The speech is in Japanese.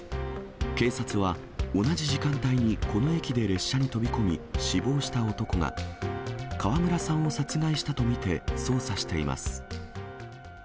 警察は同じ時間帯にこの駅で列車に飛び込み死亡した男が、川村さんを殺害したと見て捜査しています。